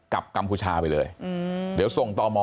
กัมพูชาไปเลยเดี๋ยวส่งต่อมอ